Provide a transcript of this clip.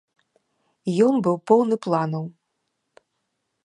Ён быў поўны планаў.